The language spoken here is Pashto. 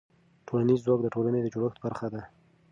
ټولنیز ځواک د ټولنې د جوړښت برخه ده.